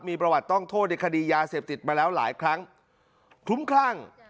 มีประวัติต้องโทษในคดียาเสพติดมาแล้วหลายครั้งคลุ้มคลั่ง